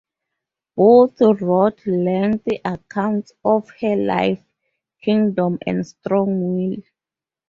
Both wrote lengthy accounts of her life, kingdom, and strong will.